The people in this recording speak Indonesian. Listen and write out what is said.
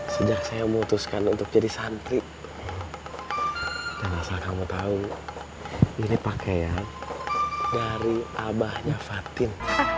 sejak saya memutuskan untuk jadi santri dan asal kamu tahu ini pakaian dari abahnya fatin